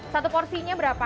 satu porsinya berapa